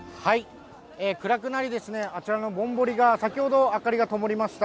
暗くなり、あちらのぼんぼりが先ほど明かりがともりました。